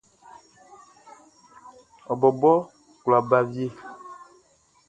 Ɔ bɔbɔ kwla ba wie.